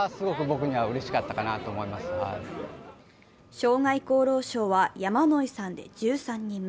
生涯功労賞は山野井さんで１３人目。